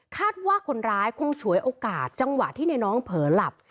คาดว่าคนร้ายคงฉวยโอกาสจังหวะที่ในน้องเผลอหลับ